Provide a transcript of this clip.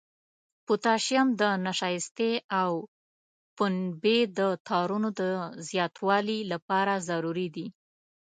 پوتاشیم د نشایستې او پنبې د تارونو د زیاتوالي لپاره ضروري دی.